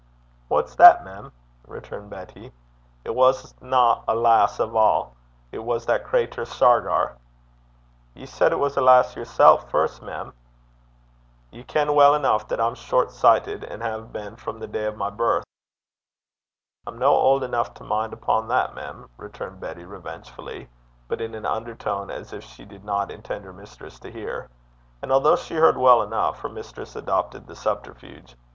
'What's that, mem?' returned Betty. 'It wasna a lass ava; it was that crater Shargar.' 'Ye said it was a lass yersel' first, mem.' 'Ye ken weel eneuch that I'm short sichtit, an' hae been frae the day o' my birth.' 'I'm no auld eneuch to min' upo' that, mem,' returned Betty revengefully, but in an undertone, as if she did not intend her mistress to hear. And although she heard well enough, her mistress adopted the subterfuge.